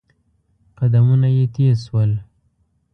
قدمونه يې تېز شول.